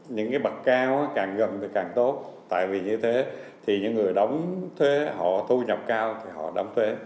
những cái bậc cao càng gần thì càng tốt tại vì như thế thì những người đóng thuế họ thu nhập cao thì họ đóng thuế